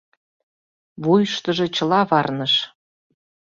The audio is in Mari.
Вуйыштыжо чыла варныш.